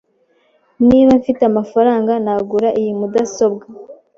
Niba mfite amafaranga, nagura iyi mudasobwa .